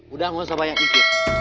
udah gak usah banyak input